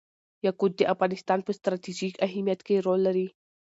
یاقوت د افغانستان په ستراتیژیک اهمیت کې رول لري.